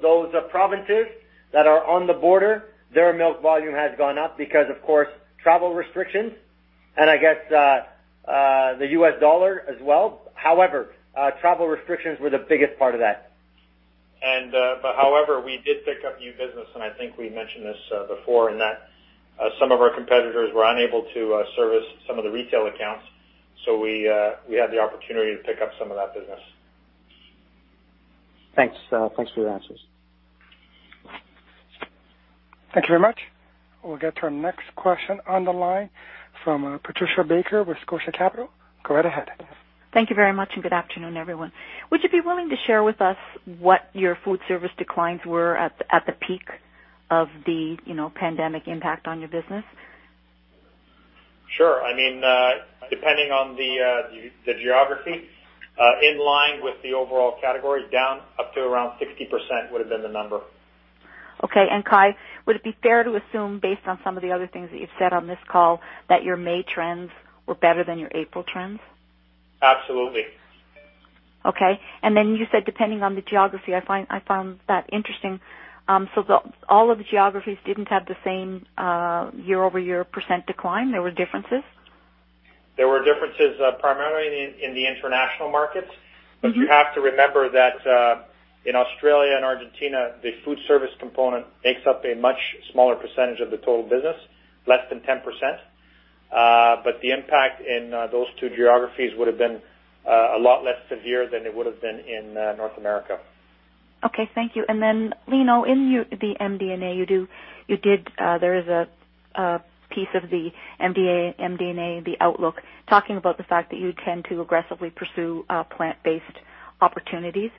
[SPEAKER 2] those provinces that are on the border, their milk volume has gone up because of course, travel restrictions and I guess, the U.S. dollar as well. However, travel restrictions were the biggest part of that.
[SPEAKER 5] We did pick up new business, and I think we mentioned this before, in that some of our competitors were unable to service some of the retail accounts. We had the opportunity to pick up some of that business.
[SPEAKER 10] Thanks for your answers.
[SPEAKER 1] Thank you very much. We'll get to our next question on the line from Patricia Baker with Scotia Capital. Go right ahead.
[SPEAKER 11] Thank you very much and good afternoon, everyone. Would you be willing to share with us what your food service declines were at the peak of the pandemic impact on your business?
[SPEAKER 5] Sure. Depending on the geography, in line with the overall category down up to around 60% would've been the number.
[SPEAKER 11] Okay. Kai, would it be fair to assume, based on some of the other things that you've said on this call, that your May trends were better than your April trends?
[SPEAKER 5] Absolutely.
[SPEAKER 11] Okay. Then you said, depending on the geography, I found that interesting. All of the geographies didn't have the same year-over-year % decline, there were differences?
[SPEAKER 5] There were differences primarily in the international markets. You have to remember that in Australia and Argentina, the food service component makes up a much smaller percentage of the total business, less than 10%. The impact in those two geographies would've been a lot less severe than it would've been in North America.
[SPEAKER 11] Okay. Thank you. Lino, in the MD&A, there is a piece of the MD&A, the outlook, talking about the fact that you tend to aggressively pursue plant-based opportunities.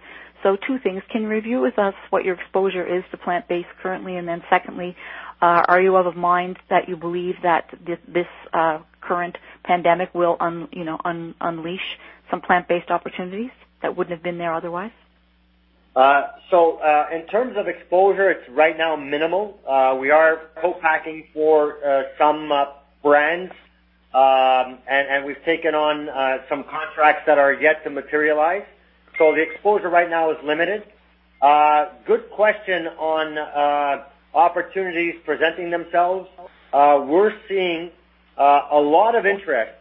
[SPEAKER 11] Two things. Can you review with us what your exposure is to plant-based currently? Secondly, are you of a mind that you believe that this current pandemic will unleash some plant-based opportunities that wouldn't have been there otherwise?
[SPEAKER 2] In terms of exposure, it's right now minimal. We are co-packing for some brands. We've taken on some contracts that are yet to materialize. The exposure right now is limited. Good question on opportunities presenting themselves. We're seeing a lot of interest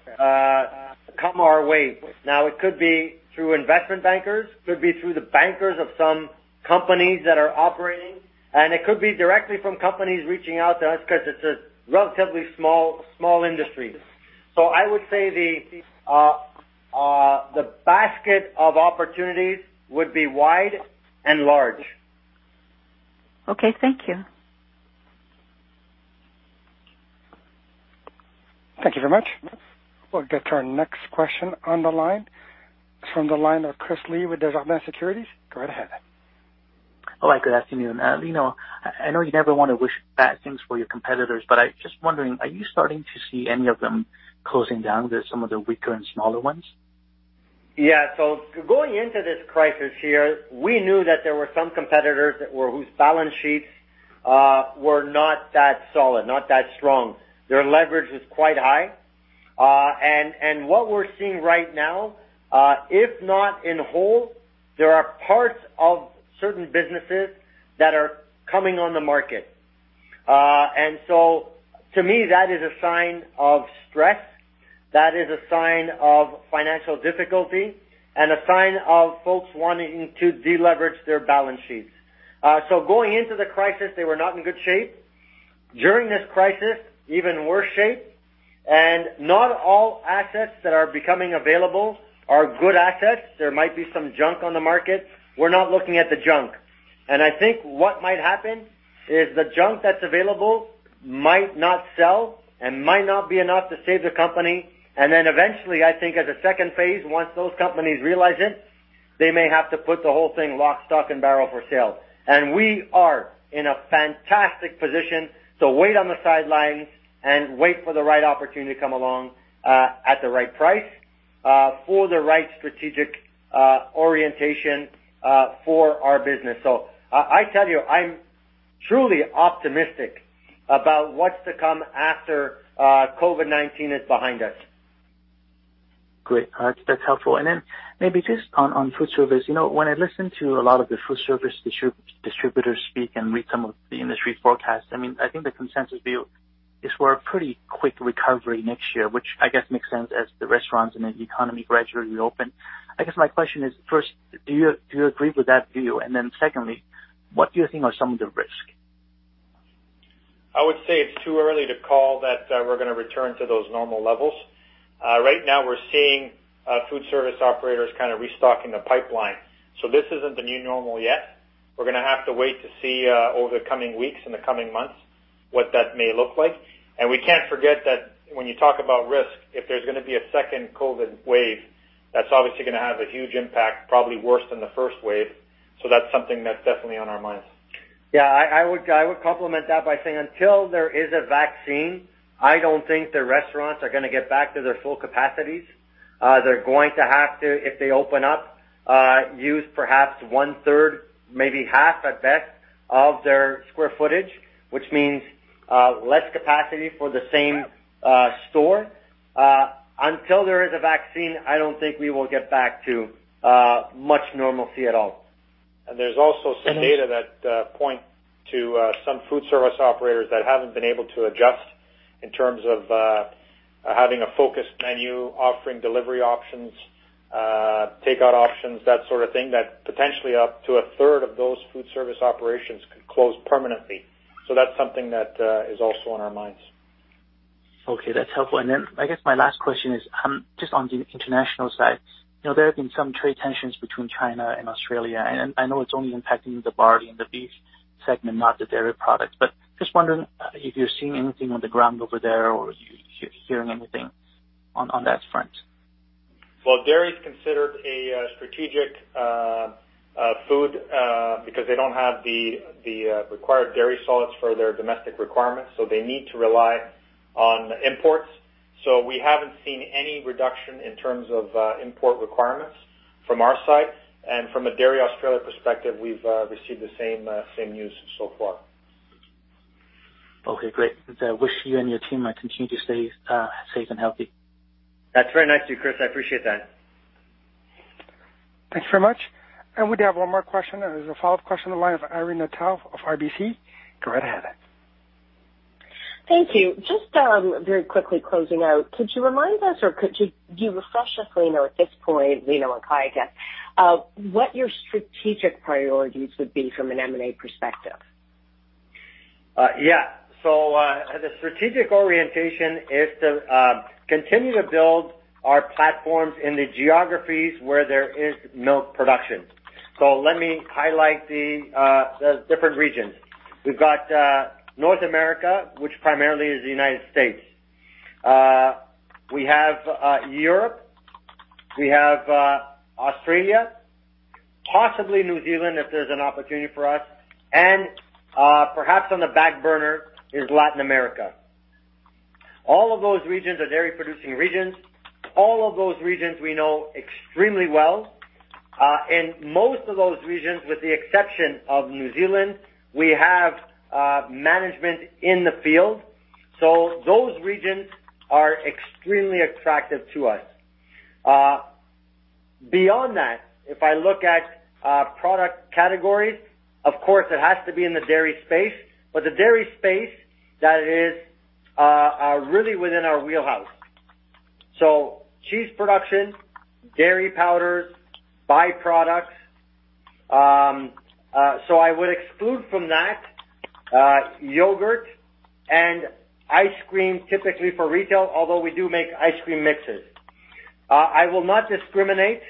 [SPEAKER 2] come our way. It could be through investment bankers, could be through the bankers of some companies that are operating, and it could be directly from companies reaching out to us because it's a relatively small industry. I would say the basket of opportunities would be wide and large.
[SPEAKER 11] Okay. Thank you.
[SPEAKER 1] Thank you very much. We'll get to our next question on the line, from the line of Christopher Li with Desjardins Securities. Go right ahead.
[SPEAKER 12] All right. Good afternoon. Lino, I know you never want to wish bad things for your competitors, I'm just wondering, are you starting to see any of them closing down some of the weaker and smaller ones?
[SPEAKER 2] Yeah. Going into this crisis here, we knew that there were some competitors whose balance sheets were not that solid, not that strong. Their leverage was quite high. What we're seeing right now, if not in whole, there are parts of certain businesses that are coming on the market. To me, that is a sign of stress. That is a sign of financial difficulty and a sign of folks wanting to deleverage their balance sheets. Going into the crisis, they were not in good shape. During this crisis, even worse shape, not all assets that are becoming available are good assets. There might be some junk on the market. We're not looking at the junk. I think what might happen is the junk that's available might not sell and might not be enough to save the company, eventually, I think as a second phase, once those companies realize it, they may have to put the whole thing lock, stock, and barrel for sale. We are in a fantastic position to wait on the sidelines and wait for the right opportunity to come along at the right price, for the right strategic orientation for our business. I tell you, I'm truly optimistic about what's to come after COVID-19 is behind us.
[SPEAKER 12] Great. That's helpful. Maybe just on food service, when I listen to a lot of the food service distributors speak and read some of the industry forecasts, I think the consensus view is we're a pretty quick recovery next year, which makes sense as the restaurants and the economy gradually reopen. My question is, first, do you agree with that view? Secondly, what do you think are some of the risks?
[SPEAKER 5] I would say it's too early to call that we're going to return to those normal levels. Right now we're seeing food service operators restocking the pipeline. This isn't the new normal yet. We're going to have to wait to see over the coming weeks and the coming months what that may look like. We can't forget that when you talk about risk, if there's going to be a second COVID wave, that's obviously going to have a huge impact, probably worse than the first wave. That's something that's definitely on our minds.
[SPEAKER 2] Yeah, I would complement that by saying until there is a vaccine, I don't think the restaurants are going to get back to their full capacities. They're going to have to, if they open up, use perhaps one-third, maybe half at best, of their square footage, which means less capacity for the same store. Until there is a vaccine, I don't think we will get back to much normalcy at all.
[SPEAKER 5] There's also some data that point to some food service operators that haven't been able to adjust in terms of having a focused menu, offering delivery options, takeout options, that sort of thing, that potentially up to a third of those food service operations could close permanently. That's something that is also on our minds.
[SPEAKER 12] Okay, that's helpful. Then I guess my last question is just on the international side. There have been some trade tensions between China and Australia, and I know it's only impacting the barley and the beef segment, not the dairy product. Just wondering if you're seeing anything on the ground over there or you're hearing anything on that front.
[SPEAKER 5] Well, dairy is considered a strategic food because they don't have the required dairy solids for their domestic requirements, so they need to rely on imports. We haven't seen any reduction in terms of import requirements from our side. From a Dairy Australia perspective, we've received the same news so far.
[SPEAKER 12] Okay, great. I wish you and your team might continue to stay safe and healthy.
[SPEAKER 2] That's very nice of you, Chris. I appreciate that.
[SPEAKER 1] Thanks very much. We have one more question. There's a follow-up question on the line of Irene Nattel of RBC. Go right ahead.
[SPEAKER 4] Thank you. Just very quickly closing out, could you remind us or could you refresh us, Lino, at this point, Lino and Kai again, what your strategic priorities would be from an M&A perspective?
[SPEAKER 2] Yeah. The strategic orientation is to continue to build our platforms in the geographies where there is milk production. Let me highlight the different regions. We've got North America, which primarily is the United States. We have Europe, we have Australia, possibly New Zealand if there's an opportunity for us, and perhaps on the back burner is Latin America. All of those regions are dairy-producing regions. All of those regions we know extremely well. Most of those regions, with the exception of New Zealand, we have management in the field. Those regions are extremely attractive to us. Beyond that, if I look at product categories, of course it has to be in the dairy space, but the dairy space that is really within our wheelhouse. Cheese production, dairy powders, byproducts. I would exclude from that yogurt and ice cream typically for retail, although we do make ice cream mixes. I will not discriminate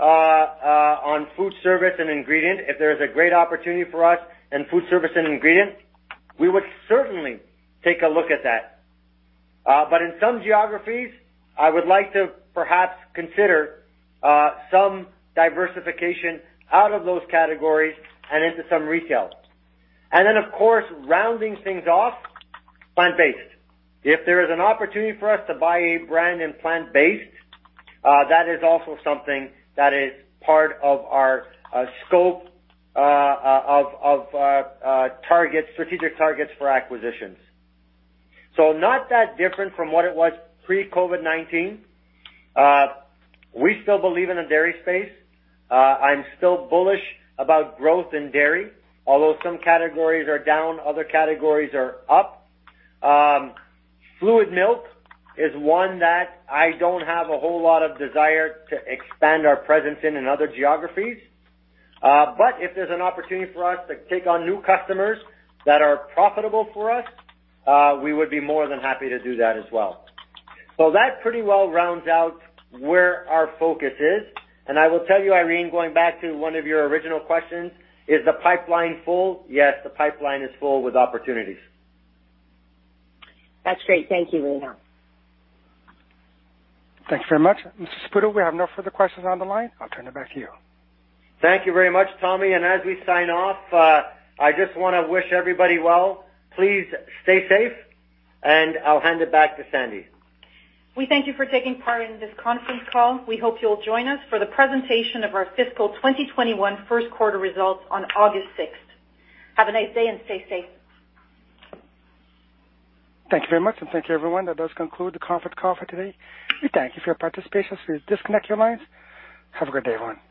[SPEAKER 2] on food service and ingredient. If there is a great opportunity for us in food service and ingredient, we would certainly take a look at that. In some geographies, I would like to perhaps consider some diversification out of those categories and into some retail. Then of course, rounding things off, plant-based. If there is an opportunity for us to buy a brand in plant-based, that is also something that is part of our scope of strategic targets for acquisitions. Not that different from what it was pre-COVID-19. We still believe in the dairy space. I'm still bullish about growth in dairy, although some categories are down, other categories are up. Fluid milk is one that I don't have a whole lot of desire to expand our presence in other geographies. If there's an opportunity for us to take on new customers that are profitable for us, we would be more than happy to do that as well. That pretty well rounds out where our focus is. I will tell you, Irene, going back to one of your original questions, is the pipeline full? Yes, the pipeline is full with opportunities.
[SPEAKER 4] That's great. Thank you, Lino.
[SPEAKER 1] Thanks very much. Mr. Saputo, we have no further questions on the line. I'll turn it back to you.
[SPEAKER 2] Thank you very much, Tommy. As we sign off, I just want to wish everybody well. Please stay safe, and I'll hand it back to Sandy.
[SPEAKER 3] We thank you for taking part in this conference call. We hope you'll join us for the presentation of our fiscal 2021 first quarter results on August 6th. Have a nice day and stay safe.
[SPEAKER 1] Thank you very much, and thank you, everyone. That does conclude the conference call for today. We thank you for your participation. Please disconnect your lines. Have a good day, everyone.